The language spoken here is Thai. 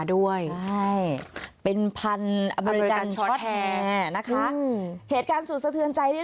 ด้วยใช่เป็นพันอเมริกันนะคะเหตุการสุดสะเทือนใจที่